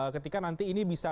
ketika nanti ini bisa